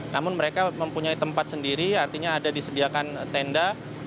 namun mereka mempunyai tempat sendiri artinya ada disediakan tenda